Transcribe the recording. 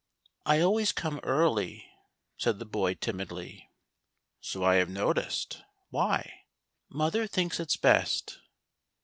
" I always come early," said the boy, timidly. " So I have noticed. Why }"" Mother thinks it best."